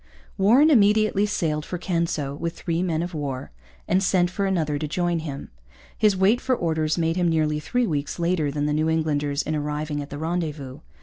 Warren immediately sailed for Canso with three men of war and sent for another to join him. His wait for orders made him nearly three weeks later than the New Englanders in arriving at the rendezvous.